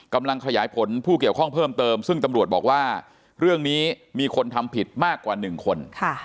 กำลังขยายผลผู้เกี่ยวข้องเพิ่มเติมซึ่งตำรวจบอกว่าเรื่องนี้มีคนทำผิดมากกว่า๑คน